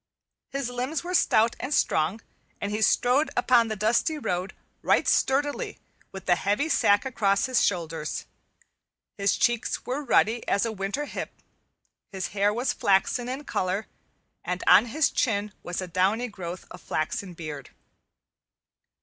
His limbs were stout and strong, and he strode along the dusty road right sturdily with the heavy sack across his shoulders. His cheeks were ruddy as a winter hip, his hair was flaxen in color, and on his chin was a downy growth of flaxen beard.